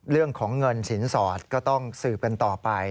เรื่องของเงินสินสอดก็ต้องสืบกันต่อไป